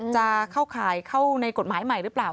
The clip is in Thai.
จะเข้าข่ายเข้าในกฎหมายใหม่หรือเปล่า